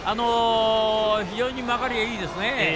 非常に曲がりがいいですね。